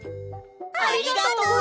ありがとう！